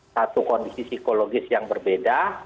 satu kondisi psikologis yang berbeda